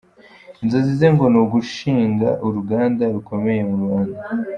Inzozi ze ngo ni ugushinga uruganda rukomeye mu Rwanda.